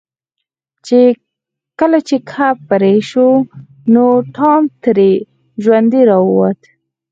کله چې کب پرې شو نو ټام ترې ژوندی راووت.